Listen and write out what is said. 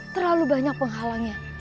terlalu banyak penghalangnya